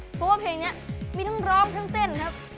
เพราะว่าเพลงนี้มีทั้งร้องทั้งเต้นครับ